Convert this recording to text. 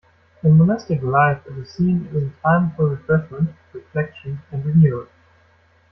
In monastic life it is seen as a time for refreshment, reflection, and renewal.